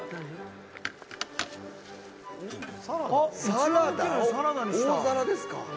サラダを大皿ですか。